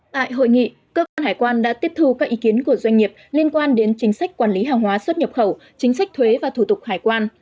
tại hội nghị cơ quan hải quan đã tiếp thu các ý kiến của doanh nghiệp liên quan đến chính sách quản lý hàng hóa xuất nhập khẩu chính sách thuế và thủ tục hải quan